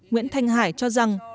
nguyễn thanh hải cho rằng